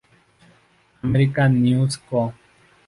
American News Co.